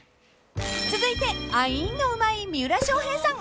［続いてアインのうまい三浦翔平さん。